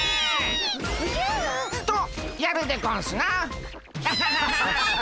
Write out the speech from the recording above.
おじゃ！とやるでゴンスな。